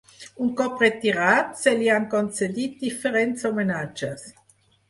Un cop retirat, se li han concedit diferents homenatges.